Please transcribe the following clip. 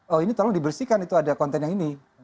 oh ini tolong dibersihkan itu ada konten yang ini